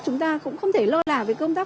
chúng ta cũng không thể lo lả về công tác